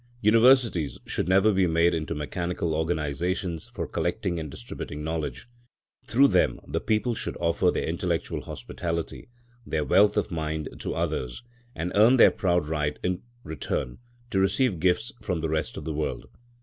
Universities should never be made into mechanical organisations for collecting and distributing knowledge. Through them the people should offer their intellectual hospitality, their wealth of mind to others, and earn their proud right in return to receive gifts from the rest of the world.